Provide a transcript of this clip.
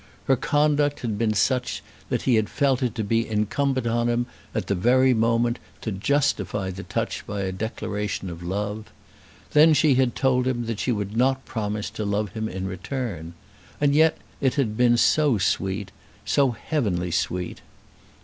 Her conduct had been such that he had felt it to be incumbent on him, at the very moment, to justify the touch by a declaration of love. Then she had told him that she would not promise to love him in return. And yet it had been so sweet, so heavenly sweet!